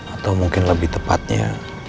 atau mungkin lebih tepatnya